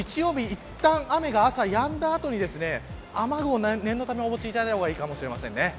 いったん雨が朝やんだ後に雨具を念のためお持ちいただいた方がいいかもしれませんね。